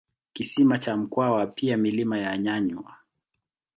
Kisima cha Mkwawa pia milima ya Nyanywa